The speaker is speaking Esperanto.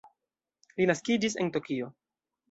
Li naskiĝis en Tokio.